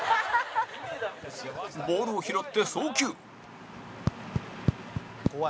ボールを拾って、送球山崎：怖い。